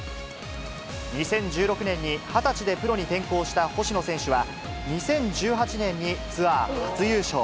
２０１６年に２０歳でプロに転向した星野選手は、２０１８年にツアー初優勝。